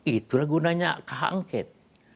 itulah gunanya hak angket